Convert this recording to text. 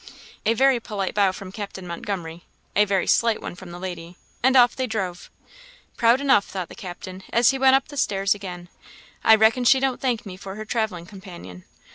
A very polite bow from Captain Montgomery a very slight one from the lady and off they drove. "Proud enough," thought the captain, as he went up the stairs again. "I reckon she don't thank me for her travelling companion.